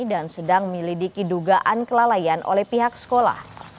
dan sedang menyelidiki dugaan kelalaian oleh pihak sekolah